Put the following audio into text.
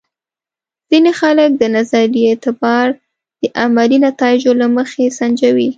ځینې خلک د نظریې اعتبار د عملي نتایجو له مخې سنجوي.